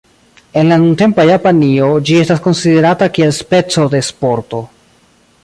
En la nuntempa Japanio ĝi estas konsiderata kiel speco de sporto.